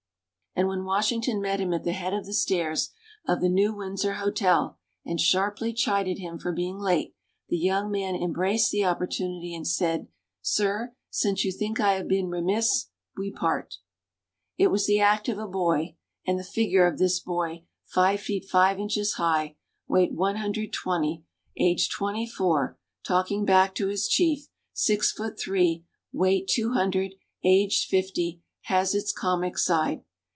And when Washington met him at the head of the stairs of the New Windsor Hotel and sharply chided him for being late, the young man embraced the opportunity and said, "Sir, since you think I have been remiss, we part." It was the act of a boy; and the figure of this boy, five feet five inches high, weight one hundred twenty, aged twenty four, talking back to his chief, six feet three, weight two hundred, aged fifty, has its comic side.